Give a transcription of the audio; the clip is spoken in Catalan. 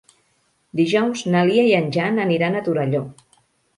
Dijous na Lia i en Jan aniran a Torelló.